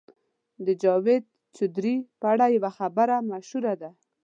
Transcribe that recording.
د جاوید چودهري په اړه یوه خبره مشهوره ده.